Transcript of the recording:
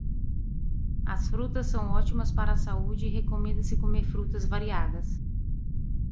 As frutas são ótimas para a saúde e recomenda-se comer frutas variadas.